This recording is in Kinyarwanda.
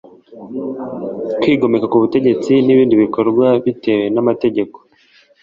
kwigomeka ku butegetsi n ibindi bikorwa bitemewe n amategeko